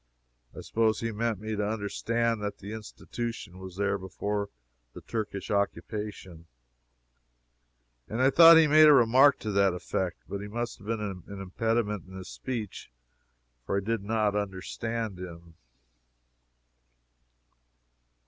I suppose he meant me to understand that the institution was there before the Turkish occupation, and I thought he made a remark to that effect; but he must have had an impediment in his speech, for I did not understand him.